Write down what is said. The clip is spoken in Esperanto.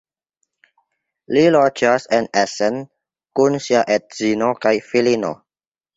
Li loĝas en Essen kun sia edzino kaj filino.